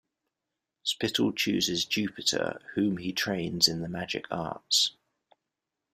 Spittle chooses Jupiter, whom he trains in the magic arts.